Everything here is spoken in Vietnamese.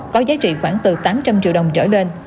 có giá trị khoảng từ tám trăm linh triệu đồng trở lên